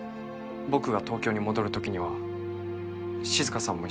僕が東京に戻る時には静さんも一緒に。